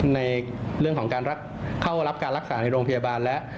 ในเรื่องของการเข้ารับการรักษาในโรงพยาบาลแล้ว